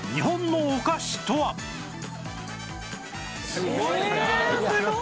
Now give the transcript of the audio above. すごい。